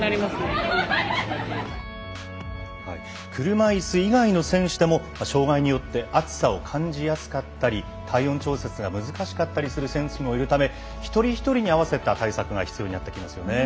車いす以外の選手でも障がいによって暑さを感じやすかったり体温調節が難しかったりする選手もいるため一人一人に合わせた対策が必要になってきますよね。